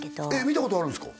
見たことあるんですか？